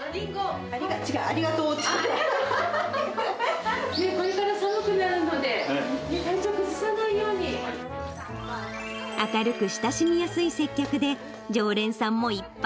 違う、これから寒くなるので、明るく親しみやすい接客で、常連さんもいっぱい。